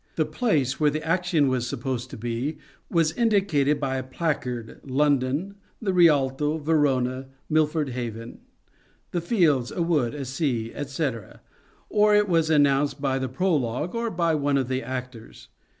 The place where the action was supposed to be was indicated by a placard — London, The Rialto, Verona, Milford Haven, The Fields, A Wood, At Sea, &c. — or it was announced by the prologue or by one of the actors.